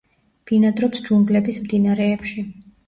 ბინადრობს ჯუნგლების მდინარეებში.